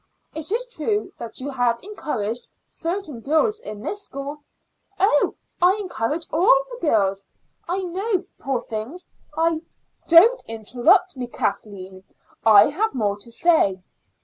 Is it true that you have encouraged certain girls in this school " "Oh, I encourage all the girls, I know. Poor things! I " "Don't interrupt me, Kathleen; I have more to say.